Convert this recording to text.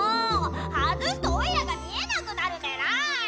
外すとオイラが見えなくなるメラ！